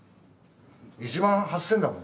１万８，０００だもん。